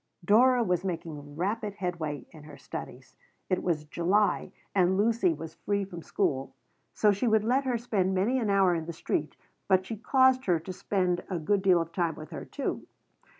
Dora was making rapid headway in her studies. It was July and Lucy was free from school, so she would let her spend many an hour in the street, but she caused her to spend a good deal of time with her, too.